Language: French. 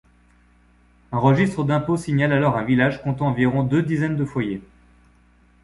Un registre d'impôts signale alors un village comptant environ deux dizaines de foyers.